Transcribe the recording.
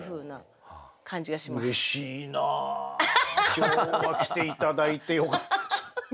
今日は来て頂いてよかった。